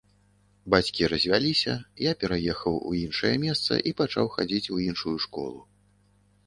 Бацькі развяліся, я пераехаў у іншае месца і пачаў хадзіць у іншую школу.